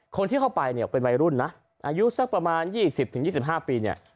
คนที่เข้าไปเนี่ยเป็นวัยรุ่นนะอายุสักประมาณ๒๐๒๕ปีเนี่ย